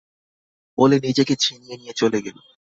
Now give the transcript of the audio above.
বলে নিজেকে ছিনিয়ে নিয়ে চলে গেল।